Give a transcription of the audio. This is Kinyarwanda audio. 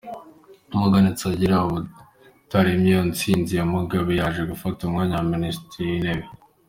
Morgan Tsvangirai utaremeye iyo ntsinzi ya Mugabe, yaje gufata umwanya wa Minisitiri w’Intebe.